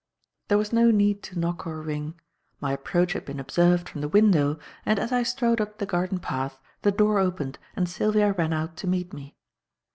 There was no need to knock or ring. My approach had been observed from the window, and, as I strode up the garden path, the door opened and Sylvia ran out to meet me.